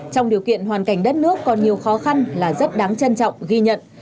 trong điều kiện hoàn cảnh đất nước còn nhiều khó khăn là rất đáng trân trọng ghi nhận